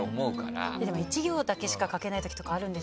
でも１行だけしか書けないときとかあるんですよ。